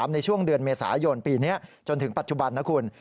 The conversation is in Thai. ในช่วงเดือนเมษายนปีนี้จนถึงปัจจุบันนะคุณ